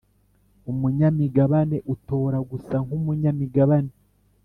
Umunyamigabane utora gusa nk umunyamigabane